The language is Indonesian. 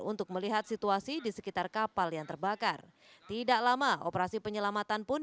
untuk melihat situasi di sekitar kapal yang terbakar tidak lama operasi penyelamatan pun